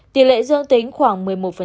tỷ lệ dương tính khoảng một mươi một